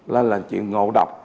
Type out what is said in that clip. là chuyện ngộ độc